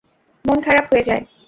মন খারাপ হয়ে যায়।